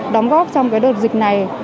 đóng góp trong đợt dịch này